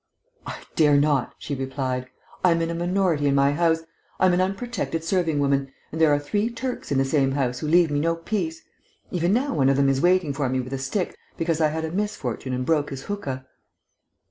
"I dare not," she replied. "I am in a minority in my house; I am an unprotected serving woman, and there are three Turks in the same house who leave me no peace. Even now one of them is waiting for me with a stick because I had a misfortune and broke his hookah."